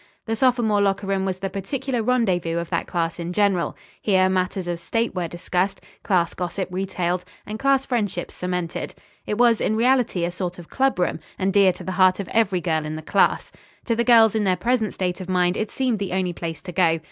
The sophomore locker room was the particular rendezvous of that class in general. Here matters of state were discussed, class gossip retailed, and class friendships cemented. It was in reality a sort of clubroom, and dear to the heart of every girl in the class. To the girls in their present state of mind it seemed the only place to go.